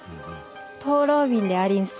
灯籠鬢でありんす。